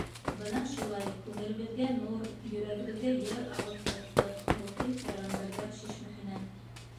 Бына шулай, күңелебеҙгә нур, йөрәгебеҙгә йыр алып ҡайттыҡ рухи пәйғәмбәрҙәр Шишмәһенән.